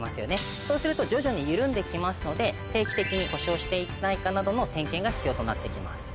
そうすると徐々に緩んで来ますので定期的に故障していないかなどの点検が必要となって来ます。